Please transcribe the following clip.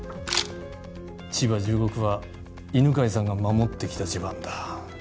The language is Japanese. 千葉１５区は犬飼さんが守ってきた地盤だ。